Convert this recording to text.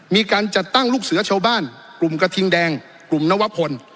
มีการจัดตั้งลูกเสือชาวบ้านกลุ่มกระทิงแดงกลุ่มนวพล